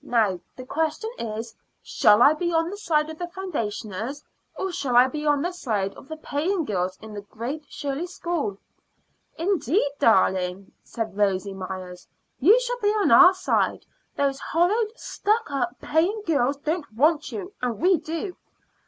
Now the question is: Shall I be on the side of the foundationers, or shall I be on the side of the paying girls in the Great Shirley School?" "Indeed, darling," said Rosy Myers, "you shall be on our side. Those horrid, stuck up paying girls don't want you; and we do.